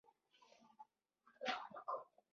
نوګالس سونورا د مکسیکو له ارامو او پرمختللو سیمو ده.